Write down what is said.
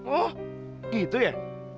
oh gitu ya